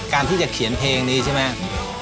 การที่จะเขียนเพลงนี้ใช่ไหม